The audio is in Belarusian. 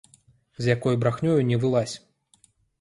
З якой брахнёю не вылазь!